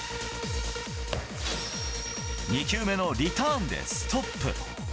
２球目のリターンでストップ。